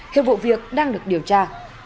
hiện vụ việc đang được điều tra